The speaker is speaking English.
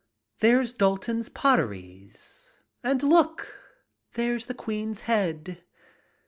There's Dalton's Potteries! And look, there's the Queen's Head!